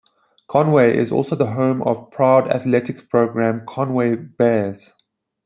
Conway is also the home of a proud athletics program; Conway "Bears".